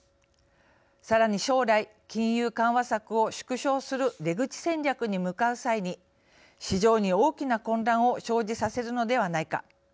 さらに将来金融緩和策を縮小する出口戦略に向かう際に市場に大きな混乱を生じさせるのではないか。